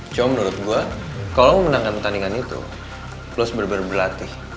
cuma menurut gue kalau lo menangkan pertandingan itu lo harus benar benar berlatih